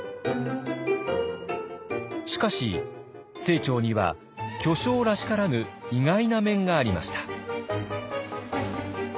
しかし清張には巨匠らしからぬ意外な面がありました。